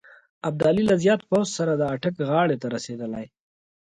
ابدالي له زیات پوځ سره د اټک غاړې ته رسېدلی.